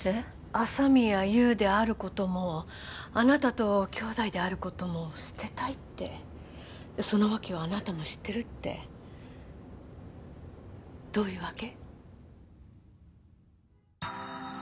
朝宮優であることもあなたときょうだいであることも捨てたいってそのわけはあなたも知ってるってどういうわけ？